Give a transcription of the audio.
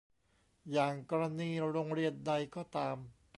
อย่างกรณีโรงเรียนใดก็ตาม